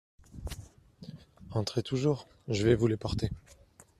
Entrez toujours… je vais vous les porter…